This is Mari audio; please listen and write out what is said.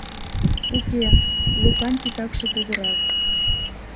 Уке, Лукан титакше кугурак...